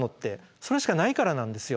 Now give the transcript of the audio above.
それしかないからなんですよ。